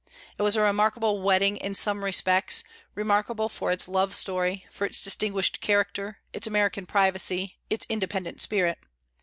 It was a remarkable wedding in some respects, remarkable for its love story, for its distinguished character, its American privacy, its independent spirit.